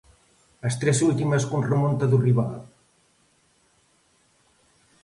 As tres últimas con remonta do rival.